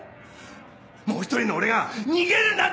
もう一人の俺が逃げるなって